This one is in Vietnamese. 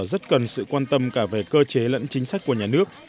rất cần sự quan tâm cả về cơ chế lẫn chính sách của nhà nước